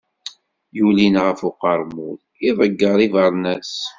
Yulin ɣef uqermud, iḍegger ibernas.